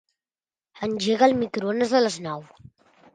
Engega el microones a les nou.